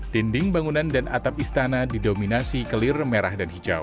dinding bangunan dan atap istana didominasi kelir merah dan hijau